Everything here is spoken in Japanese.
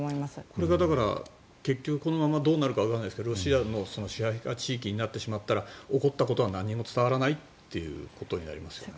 これが結局このままどうなるのかわかりませんがロシアの支配下地域になってしまったら起こったことは何も伝わらないことになりますね。